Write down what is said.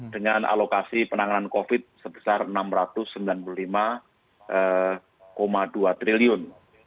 dengan alokasi penanganan covid sebesar rp enam ratus sembilan puluh lima dua triliun